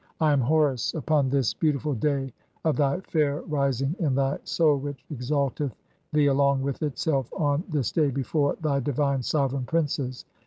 I "am Horus upon this beautiful day of thy fair rising in thy "Soul which exalteth thee along with itself on this day before "thy divine sovereign princes.